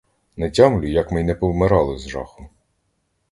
Не тямлю, як ми й не повмирали з жаху.